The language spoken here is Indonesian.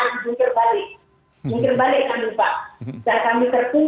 saat kami tertinggal beberapa tahun informasi harus naik lebih grafis